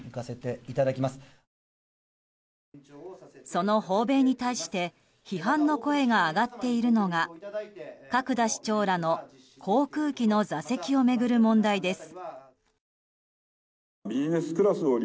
その訪米に対して批判の声が上がっているのが角田市長らの航空機の座席を巡る問題です。